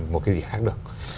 một cái gì khác được